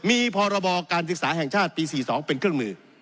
มีพรบการศึกษาแห่งชาติปี๔๒เป็นเครื่องมือ